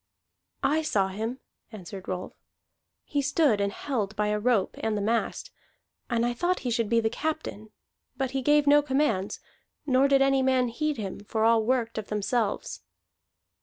"I saw him," answered Rolf. "He stood and held by a rope and the mast, and I thought he should be the captain; but he gave no commands, nor did any man heed him, for all worked of themselves."